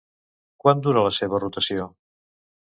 Quant dura la seva rotació?